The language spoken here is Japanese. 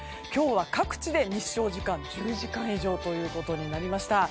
各地で日照時間１０時間以上となりました。